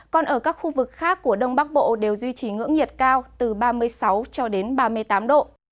còn ở các khu vực khác của đông bắc bộ đều duy trì ngưỡng nhiệt cao từ ba mươi sáu cho đến ba mươi tám độ